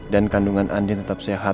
dan kandungan andien tetap sehat